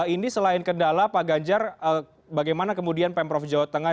ini selain kendala pak ganjar bagaimana kemudian pemprov jawa tengah